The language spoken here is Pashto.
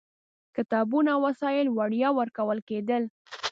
کتابونه او وسایل وړیا ورکول کېدل.